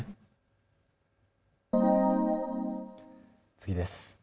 次です。